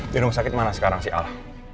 di rumah sakit mana sekarang si al